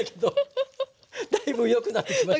ハハハ！だいぶ良くなってきました。